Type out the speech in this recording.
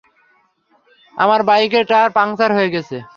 আমার বাইকের tyre puncture হয়ে গেছে।